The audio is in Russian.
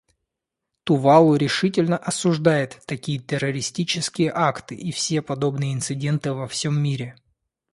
Тувалу решительно осуждает такие террористические акты и все подобные инциденты во всем мире.